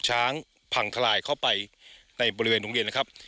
พังทลายเข้าไปในบริเวณโรงเรียนนะครับ